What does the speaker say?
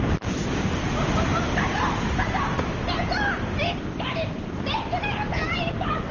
しっかりしてください課長！